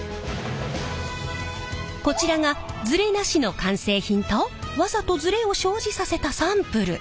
こちらがズレなしの完成品とわざとズレを生じさせたサンプル。